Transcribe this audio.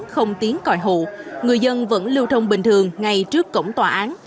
không tiến còi hụ người dân vẫn lưu thông bình thường ngay trước cổng tòa án